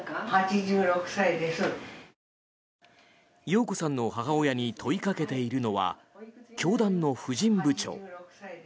容子さんの母親に問いかけているのは教団の婦人部長。